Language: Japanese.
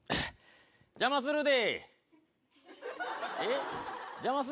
邪魔するで。